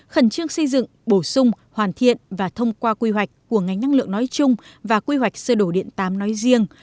khẩn trương xây dựng bổ sung hoàn thiện và thông qua quy hoạch của ngành năng lượng nói chung và quy hoạch sơ đổ điện tám nói riêng